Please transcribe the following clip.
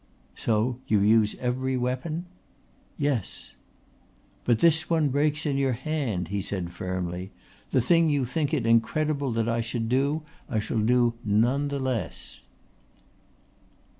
"So you use every weapon?" "Yes." "But this one breaks in your hand," he said firmly. "The thing you think it incredible that I should do I shall do none the less."